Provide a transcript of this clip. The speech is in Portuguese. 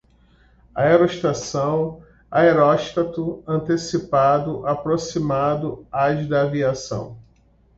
aerostação, aeróstato, antecipado, aproximado, ás da aviação